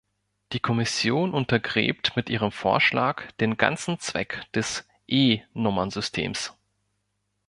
Die Kommission untergräbt mit ihrem Vorschlag den ganzen Zweck des E-Nummernsystems.